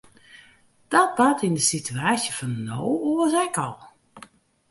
Dat bart yn de sitewaasje fan no oars ek al.